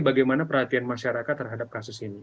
bagaimana perhatian masyarakat terhadap kasus ini